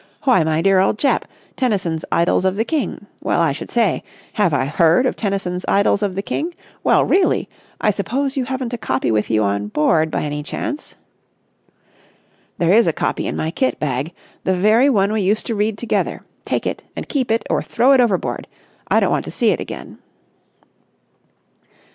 _ Why, my dear old chap! Tennyson's 'Idylls of the King?' Well, I should say! Have I heard of Tennyson's 'Idylls of the King?' Well, really? I suppose you haven't a copy with you on board by any chance?" "There is a copy in my kit bag. The very one we used to read together. Take it and keep it or throw it overboard. I don't want to see it again."